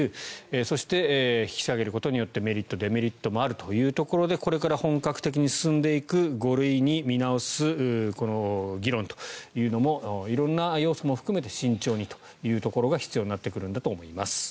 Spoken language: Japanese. そして引き下げることによってメリット、デメリットもあるということでこれから本格的に進んでいく５類に見直すこの議論というのも色んな要素も含めて慎重にというところが必要になってくるんだと思います。